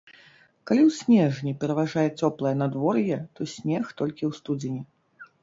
Калі ў снежні пераважае цёплае надвор'е, то снег толькі ў студзені.